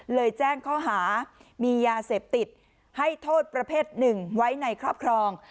แจ้งข้อหามียาเสพติดให้โทษประเภทหนึ่งไว้ในครอบครอง